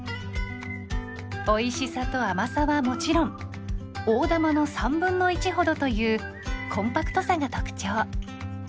おいしさと甘さはもちろん大玉の３分の１ほどというコンパクトさが特徴。